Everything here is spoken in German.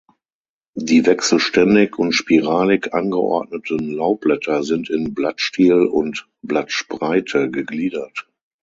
Die wechselständig und spiralig angeordneten Laubblätter sind in Blattstiel und Blattspreite gegliedert.